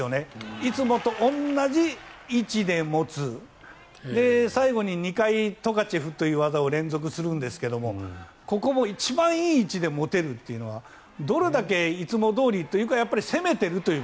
いつもと同じ位置で持つ最後に２回トカチェフという技を連続するんですがここも一番いい位置で持てるというのはどれだけいつもどおりというか攻めていると。